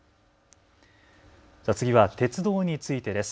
次は鉄道についてです。